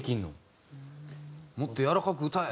「もっとやわらかく歌えや！」